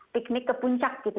piknik ke puncak gitu